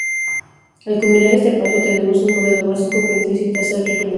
Al culminar este paso tenemos un modelo básico que necesita ser refinado.